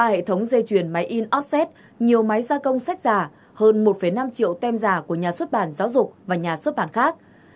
ba hệ thống dây chuyền máy in ofset nhiều máy gia công sách giả hơn một năm triệu tem giả của nhà xuất bản giáo dục và nhà xuất bản khác